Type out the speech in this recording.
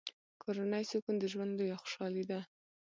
کورنی سکون د ژوند لویه خوشحالي ده.